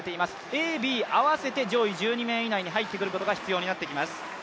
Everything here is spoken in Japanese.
Ａ、Ｂ合わせて上位１２名以内に入ってくることが必要になってきます。